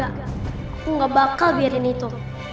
aku nggak bakal biarin itu